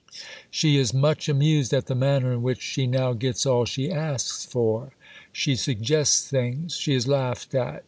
She is "much amused at the manner in which she now gets all she asks for." She suggests things. She is laughed at.